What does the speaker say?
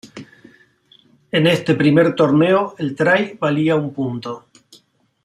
En este primer torneo el try valía un punto.